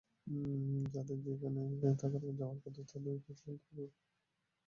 যাদের সেখানে যাওয়ার কথা না, তাদেরকে, এটুকু বলতে পারি।